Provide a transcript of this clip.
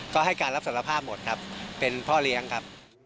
ก็ให้การรับสารภาพหมดครับเป็นพ่อเลี้ยงครับ